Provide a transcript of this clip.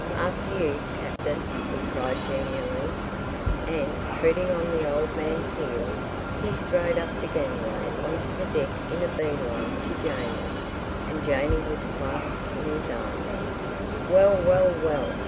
"After you, Captain!" he cried genially. And, treading on the old man's heels, he strode up the gangway on to the deck in a bee line to Janey, and Janey was clasped in his arms. "Well, well, well!